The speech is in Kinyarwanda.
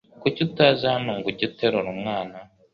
Kuki utaza hano ngujye uterura umwana?